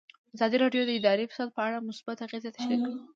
ازادي راډیو د اداري فساد په اړه مثبت اغېزې تشریح کړي.